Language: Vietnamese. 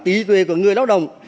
tí tuệ của người lao động